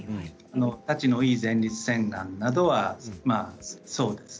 たちのいい前立腺がんなどはそうです。